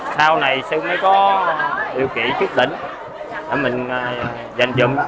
sau này xưa mới có điều kỹ chức định để mình dành dụng